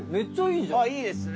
いいですね。